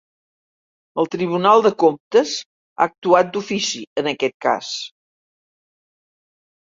El Tribunal de Comptes ha actuat d'ofici en aquest cas